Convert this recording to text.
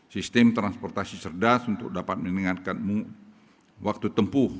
sistem transportasi cerdas untuk dapat mendengarkan waktu tempuh